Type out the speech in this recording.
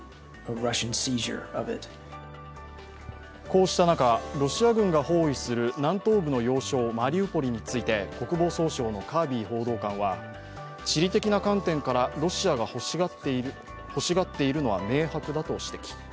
こうした中、ロシア軍が包囲する南東部の要衝マリウポリについて国防総省のカービー報道官は地理的な観点からロシアが欲しがっているのは明白だと指摘。